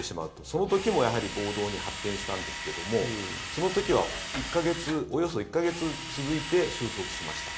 その時もやはり暴動に発展したんですけどもその時はおよそ１か月続いて収束しました。